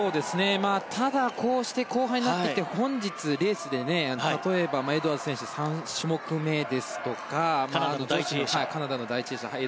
ただ、こうして後半になってきて本日レースで例えば、エドワーズ選手３種目ですとかカナダの第１泳者。